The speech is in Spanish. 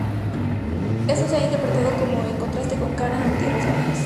Esto se ha interpretado como en contraste con Canaan, o "tierras bajas".